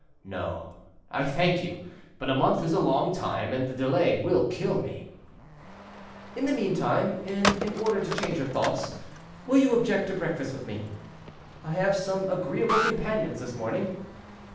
"No. I thank you; but a month is a long time, and the delay will kill me." "In the meantime, and in order to change your thoughts, will you object to breakfast with me? I have some agreeable companions this morning."